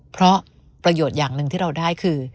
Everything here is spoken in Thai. เพราะประโยชน์อย่างหนึ่งที่เราได้คือ